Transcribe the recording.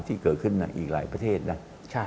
ที่เกิดขึ้นในอีกหลายประเทศนะ